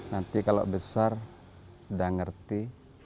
nanti kalau besar sudah ngerti